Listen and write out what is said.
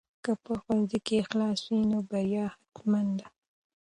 که په ښوونځي کې اخلاص وي نو بریا حتمي ده.